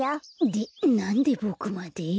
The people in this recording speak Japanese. でなんでボクまで？